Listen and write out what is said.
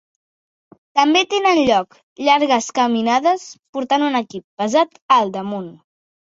També tenen lloc llargues caminades portant un equip pesat al damunt.